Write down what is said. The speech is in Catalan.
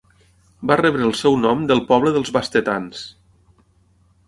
Va rebre el seu nom del poble dels bastetans.